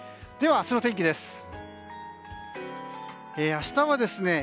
では明日の天気です。